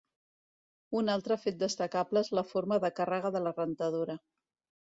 Un altre fet destacable és la forma de càrrega de la rentadora.